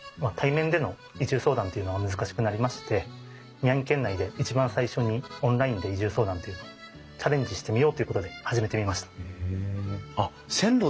対面での移住相談というのが難しくなりまして宮城県内で一番最初にオンラインで移住相談というのをチャレンジしてみようということで始めてみました。